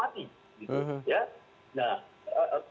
bahkan binatang bisa menjengkelkan